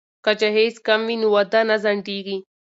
که جهیز کم وي نو واده نه ځنډیږي.